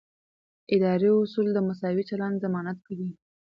اداري اصول د مساوي چلند ضمانت کوي.